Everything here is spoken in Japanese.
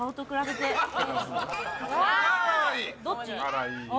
あらいい。